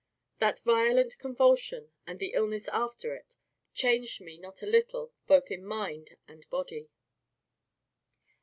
That violent convulsion, and the illness after it, changed me not a little both in mind and body.